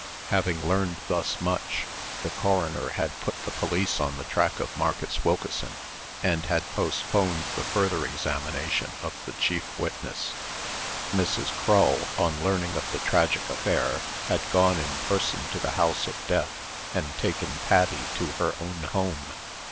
Having learned thus much, the coroner had put the police on the track of Marcus Wilkeson, and had postponed the further examination of the chief witness. Mrs. Crull, on learning of the tragic affair, had gone in person to the house of death, and taken Patty to her own home.